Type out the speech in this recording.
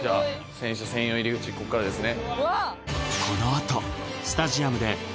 選手専用入口こっからですね